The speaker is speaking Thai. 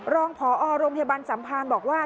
รองพอโรงพยาบันสัมภัณฑ์บอกว่า